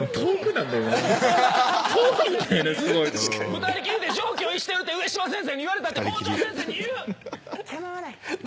二人きりで常軌を逸してるってウエシマ先生に言われたって校長先生に言う！